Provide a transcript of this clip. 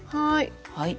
はい。